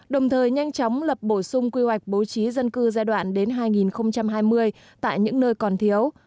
đồng thời nhanh chóng lập bổ sung quy hoạch bố trí dân cư giai đoạn đến hai nghìn hai mươi tại những nơi còn thiếu